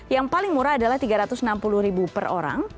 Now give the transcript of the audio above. yang paling murah adalah rp tiga ratus enam puluh ribu per orang